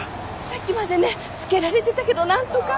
さっきまでねつけられてたけどなんとか。